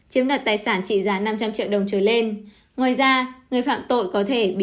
chiếm đoạt tài sản trị giá năm trăm linh triệu đồng trở lên